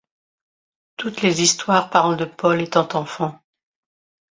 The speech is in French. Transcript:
Toutes les histoires parlent de Paul étant enfant.